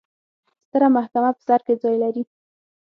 ستره محکمه په سر کې ځای لري.